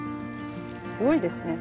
すごいですね。